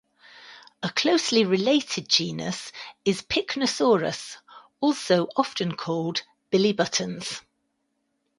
A closely related genus is "Pycnosorus", also often called billy buttons.